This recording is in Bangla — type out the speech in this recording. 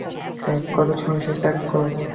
ত্যাগ কর, সংসার ত্যাগ কর।